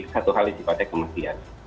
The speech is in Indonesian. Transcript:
satu hal yang sifatnya kematian